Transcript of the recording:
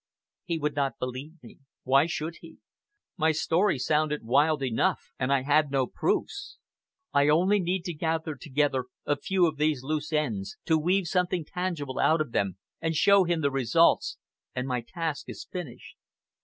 "He would not believe me. Why should he? My story sounded wild enough, and I had no proofs. I only need to gather together a few of these loose ends, to weave something tangible out of them and show him the results, and my task is finished."